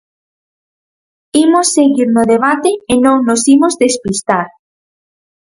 Imos seguir no debate e non nos imos despistar.